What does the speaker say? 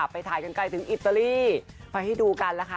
ไปถ่ายกันไกลถึงอิตาลีไปให้ดูกันแล้วค่ะ